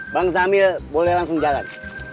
bang samil boleh langsung jalan